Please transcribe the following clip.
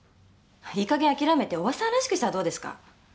いいかげん諦めておばさんらしくしたらどうですか？